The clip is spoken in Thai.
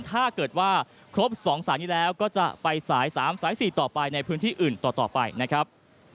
ถ้าเกิดว่าครบ๒สายนี้แล้วก็จะไปสาย๓สาย๔ต่อไปในพื้นที่อื่นต่อไปนะครับ